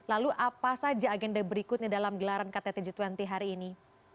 lalu apa saja agenda berikutnya dalam gelaran ktt g dua puluh hari ini